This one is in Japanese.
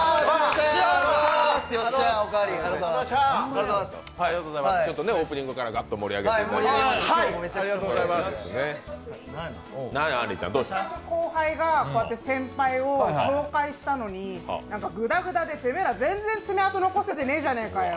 せっかく後輩がこうやって先輩を紹介したのに、ぐだぐだで、てめえら、全然、爪痕の残せてねえじゃねえかよ。